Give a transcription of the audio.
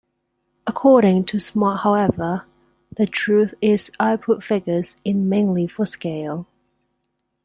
According to Smart however, "the truth is I put figures in mainly for scale".